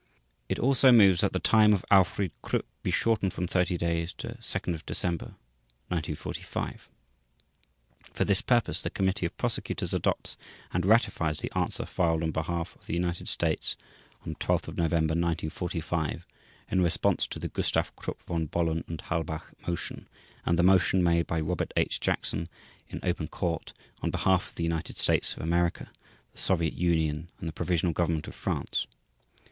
It also moves that the time of Alfried Krupp be shortened from thirty days to 2 December 1945. For this purpose, the Committee of Prosecutors adopts and ratifies the Answer filed on behalf of the United States on 12 November 1945 in response to the Gustav Krupp von Bohlen und Halbach motion, and the motion made by Robert H. Jackson in open Court on behalf of the United States of America, the Soviet Union and the Provisional Government of France.